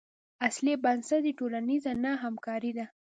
اصلي بنسټ یې ټولنیزه نه همکاري ده.